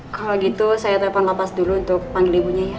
kalau gitu saya telepon lapas dulu untuk panggil ibunya ya